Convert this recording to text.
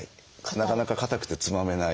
なかなか硬くてつまめない。